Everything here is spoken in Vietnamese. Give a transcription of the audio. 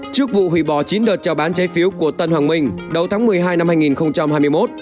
trước vụ hủy bỏ chín đợt trao bán trái phiếu của tân hoàng minh đầu tháng một mươi hai năm hai nghìn hai mươi một